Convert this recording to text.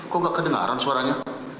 kok nggak kedengaran suaranya